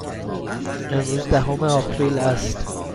امروز دهم آپریل است.